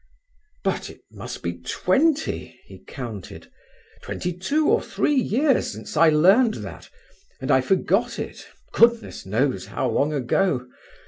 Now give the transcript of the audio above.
"But it must be twenty"—he counted—"twenty two or three years since I learned that, and I forgot it—goodness knows how long ago.